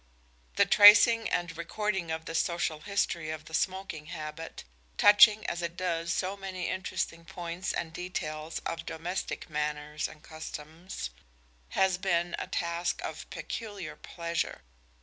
The tracing and recording of this social history of the smoking habit, touching as it does so many interesting points and details of domestic manners and customs, has been a task of peculiar pleasure.